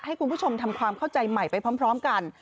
ให้คุณผู้ชมทำความเข้าใจใหม่ไปพร้อมกัน